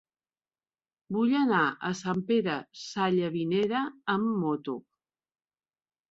Vull anar a Sant Pere Sallavinera amb moto.